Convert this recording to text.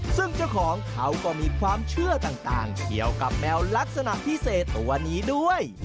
ซึ่งเจ้าของเขาก็มีความเชื่อต่างเกี่ยวกับแมวลักษณะพิเศษตัวนี้ด้วย